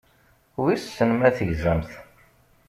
Wissen ma tegzamt.